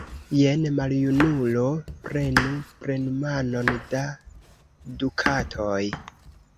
Jen, maljunulo, prenu plenmanon da dukatoj!